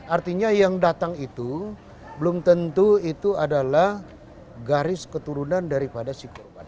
artinya yang datang itu belum tentu itu adalah garis keturunan daripada si korban